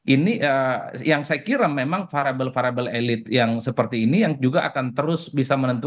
ini yang saya kira memang variable variable elit yang seperti ini yang juga akan terus bisa menentukan